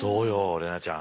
怜奈ちゃん。